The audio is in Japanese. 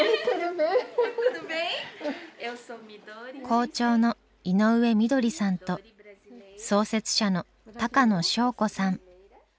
校長の井上みどりさんと創設者の高野祥子さん。